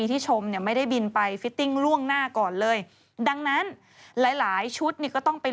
ที่ชมเนี่ยไม่ได้บินไปฟิตติ้งล่วงหน้าก่อนเลยดังนั้นหลายหลายชุดนี่ก็ต้องไป